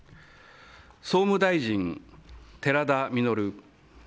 総務大臣、寺田稔。